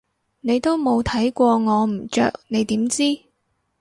你都冇睇過我唔着你點知？